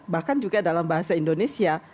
bahkan juga dalam bahasa indonesia